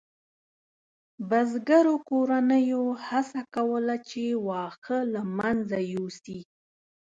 بزګرو کورنیو هڅه کوله چې واښه له منځه یوسي.